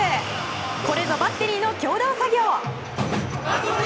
これぞバッテリーの共同作業。